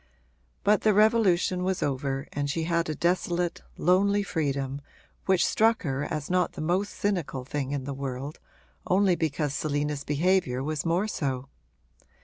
But the revolution was over and she had a desolate, lonely freedom which struck her as not the most cynical thing in the world only because Selina's behaviour was more so.